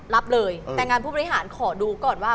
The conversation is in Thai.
รับเลยแต่งานผู้บริหารขอดูก่อนว่า